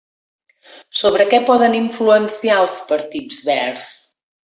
Sobre què poden influenciar els partits verds?